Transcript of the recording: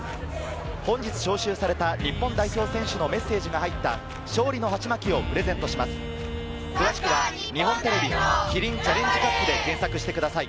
本日招集された日本代表選手のメッセージが入った詳しくは日本テレビキリンチャレンジカップで検索してください。